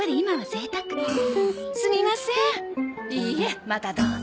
いいえまたどうぞ。